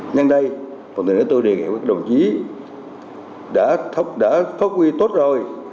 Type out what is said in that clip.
nhân đây phần tình hình tôi đề nghị với các đồng chí đã phát huy tốt rồi